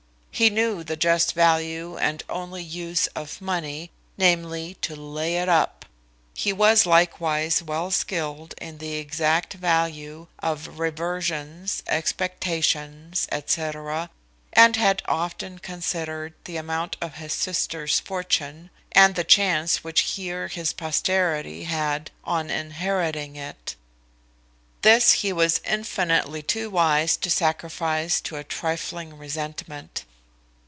He knew the just value and only use of money, viz., to lay it up. He was likewise well skilled in the exact value of reversions, expectations, &c., and had often considered the amount of his sister's fortune, and the chance which he or his posterity had of inheriting it. This he was infinitely too wise to sacrifice to a trifling resentment.